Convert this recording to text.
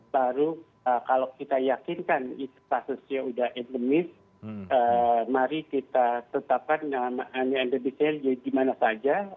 baru kalau kita yakinkan itu kasusnya sudah endemis mari kita tetapkan nama endemisnya jadi gimana saja